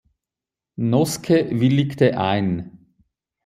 Noske willigte ein.